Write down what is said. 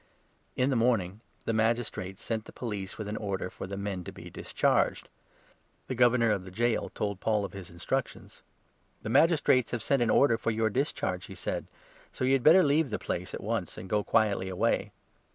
In the morning the Magistrates sent the 35 police with an order for the men to be discharged. The 36 Governor of the Gaol told Paul of his instructions. "The Magistrates have sent an order for your discharge," he said, "so you had better leave the place at once and go quietly away."